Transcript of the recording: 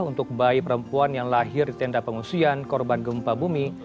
untuk bayi perempuan yang lahir di tenda pengungsian korban gempa bumi